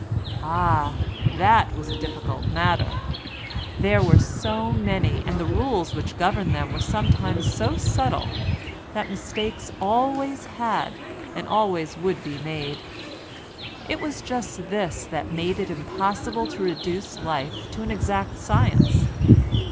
Ah! that was a difficult matter; there were so many, and the rules which governed them were sometimes so subtle, that mistakes always had and always would be made; it was just this that made it impossible to reduce life to an exact science.